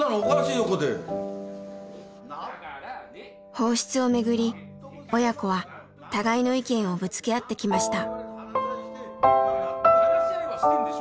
放出をめぐり親子は互いの意見をぶつけ合ってきました。